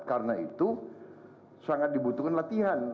karena itu sangat dibutuhkan latihan